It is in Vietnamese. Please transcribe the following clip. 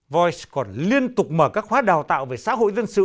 voice còn liên tục mở các khóa đào tạo về xã hội dân sự